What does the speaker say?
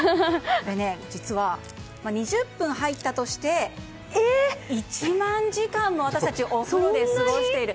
実は、２０分入ったとして１万時間も私たちお風呂で過ごしている。